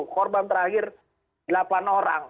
korban terakhir delapan orang